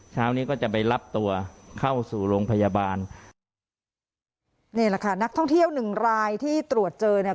เช้านี้ก็จะไปรับตัวเข้าสู่โรงพยาบาลนี่แหละค่ะนักท่องเที่ยวหนึ่งรายที่ตรวจเจอเนี่ย